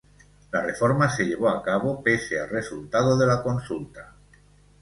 La reforma se llevó a cabo pese al resultado de la consulta.